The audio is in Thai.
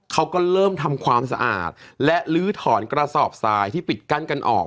เขาก็เริ่มทำความสะอาดและลื้อถอนกระสอบทรายที่ปิดกั้นกันออก